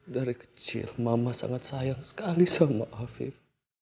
dari kecil mama sangat sayang sekali sama afif